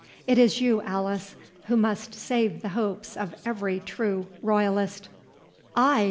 It is you, Alice, who must save the hopes of every true royalist." "I!"